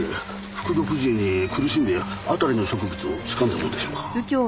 服毒時に苦しんで辺りの植物をつかんだものでしょうか？